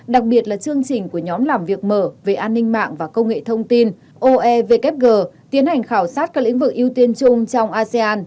đặc biệt là chương trình của nhóm làm việc mở về an ninh mạng và công nghệ thông tin oevkg tiến hành khảo sát các lĩnh vực ưu tiên chung trong asean